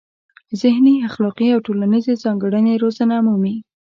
ذهني، اخلاقي او ټولنیزې ځانګړنې روزنه مومي.